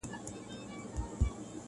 • د عقاب په آشيانوکي -